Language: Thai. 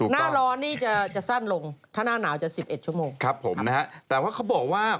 หน้าร้อนนี่จะจะสั้นลงถ้าหน้าหนาวจะสิบเอ็ดชั่วโมงครับผมนะฮะแต่ว่าเขาบอกว่า